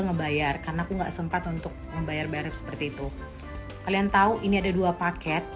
ngebayar karena aku nggak sempat untuk membayar barang seperti itu kalian tahu ini ada dua paket